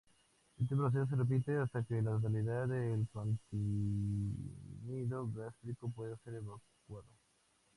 Este proceso se repite hasta que la totalidad del contenido gástrico pueda ser evacuado.